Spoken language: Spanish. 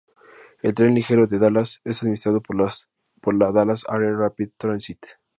El Tren Ligero de Dallas es administrado por la Dallas Area Rapid Transit.